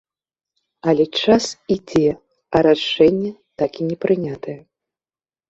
Але час ідзе, а рашэнне так і не прынятае.